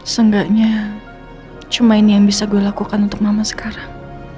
seenggaknya cuma ini yang bisa gue lakukan untuk mama sekarang